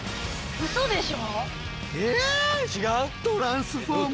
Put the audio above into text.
うそでしょ？